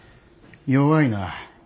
弱いな。